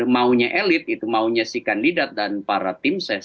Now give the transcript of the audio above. maunya elit itu maunya si kandidat dan para tim ses